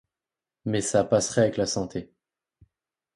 Mais ça passerait avec la santé.